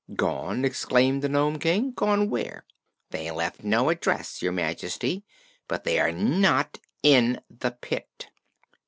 "Gone!" exclaimed the Nome King. "Gone where?" "They left no address, Your Majesty; but they are not in the pit."